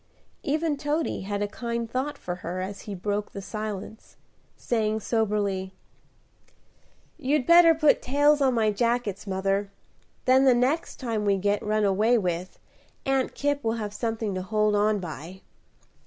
Even Toady had a kind thought for her, as he broke the silence, saying soberly, "You'd better put tails on my jackets, mother; then the next time we get run away with, Aunt Kipp will have something to hold on by."